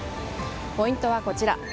ポイントはこちら。